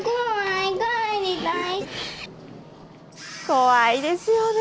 怖いですよね。